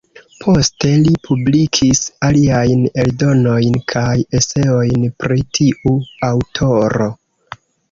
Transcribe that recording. Poste li publikis aliajn eldonojn kaj eseojn pri tiu aŭtoro.